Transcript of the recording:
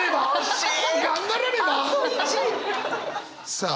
さあ